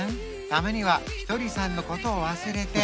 たまにはひとりさんのことを忘れて